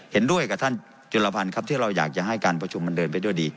เห็นด้วยกับท่านจุลพันธ์ครับที่เราอยากจะให้การประชุมมันเดินไปด้วยดี